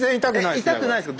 え痛くないですか？